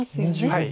はい。